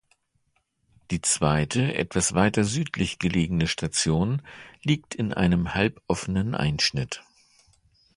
Die zweite, etwas weiter südlich gelegene Station liegt in einem halboffenen Einschnitt.